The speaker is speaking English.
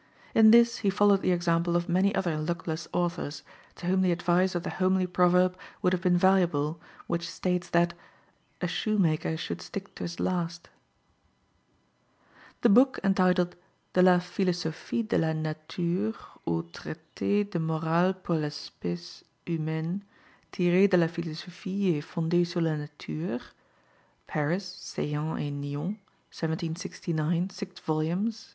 In this he followed the example of many other luckless authors, to whom the advice of the homely proverb would have been valuable which states that "a shoemaker should stick to his last." The book entitled De la Philosophie de la Nature, ou Traité de morale pour l'espèce humaine, tiré de la philosophie et fondé sur la nature (Paris, Saillant et Nyon, 1769, 6 vols.